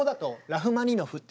ラッフマニノフ。